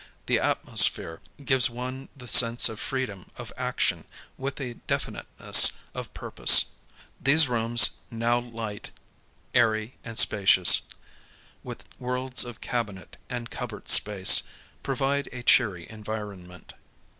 The atmosphere gives one the sense of freedom of action with a definiteness of purpose. These rooms now light, airy and spacious, with worlds of cabinet and cupboard space, provide a cheery environment.